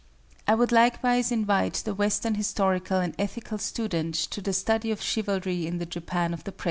I would likewise invite the Western historical and ethical student to the study of chivalry in the Japan of the present.